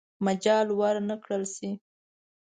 مجال ورنه کړل شي.